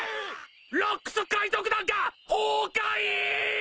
ロックス海賊団が崩壊！？